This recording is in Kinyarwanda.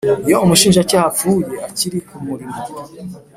Iyo umushinjacyaha apfuye akiri ku murimo